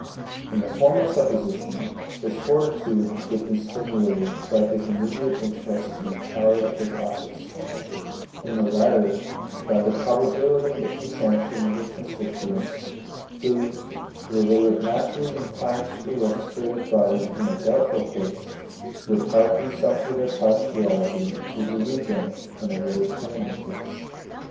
In the former supposition, his fortitude would be stimulated by his immediate interest in the power of his office; in the latter, by the probability of the sanction of his constituents, who, though they would naturally incline to the legislative body in a doubtful case, would hardly suffer their partiality to delude them in a very plain case.